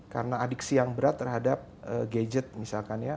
karena adiksi yang berat terhadap gadget misalkan ya